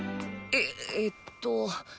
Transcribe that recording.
ええっと